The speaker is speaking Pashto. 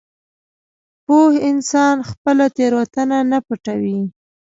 پوه انسان خپله تېروتنه نه پټوي.